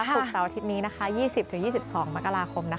ศุกร์เสาร์อาทิตย์นี้๒๐๒๒มกราคม